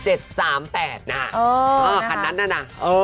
เออคันนั้นนะ